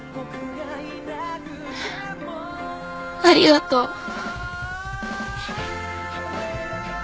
ありがとう。